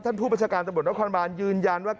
ท่านผู้ประชาการตำรวจนักความร้านยืนยันว่า